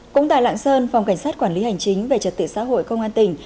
cũng tại lạng sơn phòng cảnh sát quản lý hành chính về trật tự xã hội công an tỉnh